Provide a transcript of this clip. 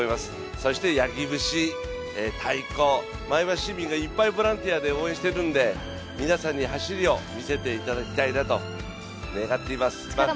そして八木節、太鼓、前橋市民がいっぱいボランティアで応援しているんで、皆さんに走りを見せていただきたいなと願っております。